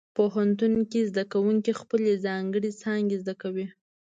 پوهنتون کې زده کوونکي خپلې ځانګړې څانګې زده کوي.